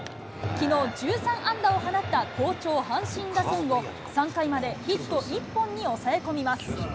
きのう、１３安打を放った好調阪神打線を、３回までヒット１本に抑え込みます。